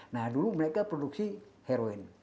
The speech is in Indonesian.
nah dulu mereka produksi heroin